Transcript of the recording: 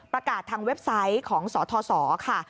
ประกาศทางเว็บไซต์ของสทศค่ะ